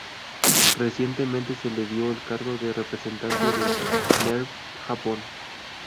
Recientemente se le dio el cargo de representante de Nerv Japón.